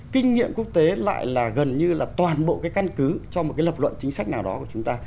kinh nghiệm quốc tế lại là gần như là toàn bộ cái căn cứ cho một cái lập luận chính sách nào đó của chúng ta